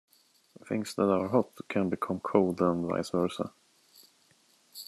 Things that are hot can become cold and vice versa.